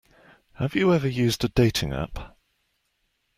Have you ever used a dating app?